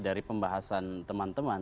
dari pembahasan teman teman